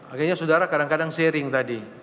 akhirnya saudara kadang kadang sharing tadi